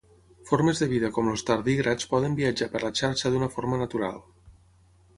Formes de vida com els tardígrads poden viatjar per la xarxa d'una forma natural.